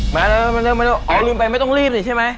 มาอ๋อลืมไปไม่ต้องรีบสิใช่ไหม